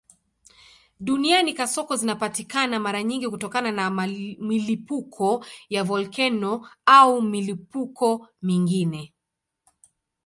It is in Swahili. Duniani kasoko zinapatikana mara nyingi kutokana na milipuko ya volkeno au milipuko mingine.